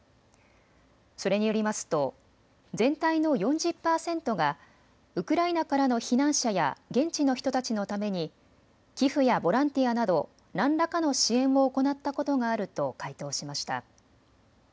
それによりますと全体の４０％がウクライナからの避難者や現地の人たちのために寄付やボランティアなど何らかの支援を行ったことがあると回答しました。